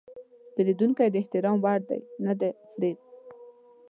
پیرودونکی د احترام وړ دی، نه د فریب.